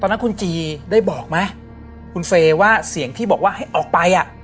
นั้นคุณจีได้บอกไหมคุณเฟย์ว่าเสียงที่บอกว่าให้ออกไปอ่ะ